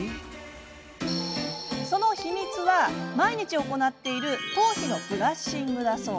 その秘密は、毎日行っている頭皮のブラッシングだそう。